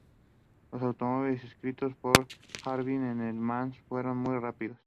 Los automóviles inscritos por Gordini en Le Mans fueron muy rápidos.